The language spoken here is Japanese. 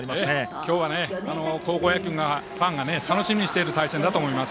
今日は高校野球ファンが楽しみにしている対戦だと思います。